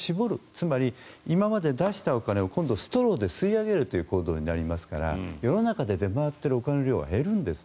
つまり、今まで出したお金を今度、ストローで吸い上げるという行動になりますから世の中で出回っているお金の量は減るんです。